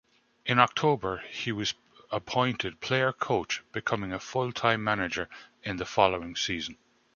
In October he was appointed player-coach, becoming a full-time manager in the following season.